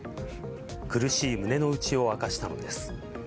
苦しい胸の内を明かしたのです。